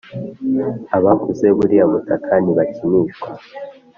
abaguze buriya butaka ntibakinishwa